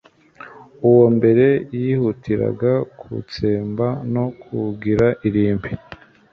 uwo mbere yihutiraga gutsemba no kuwugira irimbi